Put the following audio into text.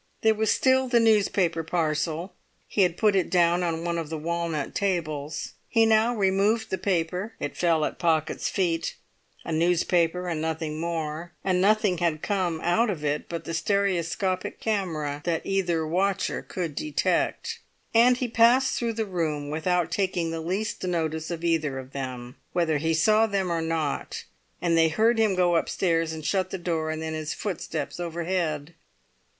There was still the newspaper parcel; he had put it down on one of the walnut tables. He now removed the paper; it fell at Pocket's feet, a newspaper and nothing more; and nothing had come out of it but the stereoscopic camera, that either watcher could detect. And he passed through the room without taking the least notice of either of them, whether he saw them or not; and they heard him go upstairs, and shut the door, and then his footsteps overhead.